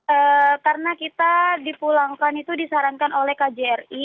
eee karena kita dipulangkan itu disarankan oleh kjri